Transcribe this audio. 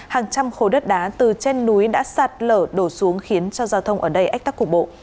hàng trăm khối đất đá từ trên núi đã sạt lở đổ xuống khiến cho giao thông ở đây ách tắc cục bộ